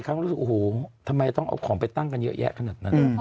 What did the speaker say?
เขาก็รู้สึกโอ้โหทำไมต้องเอาของไปตั้งกันเยอะแยะขนาดนั้น